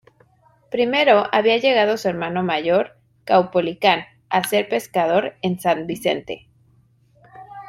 Primero había llegado su hermano mayor, Caupolicán, a ser pescador en San Vicente.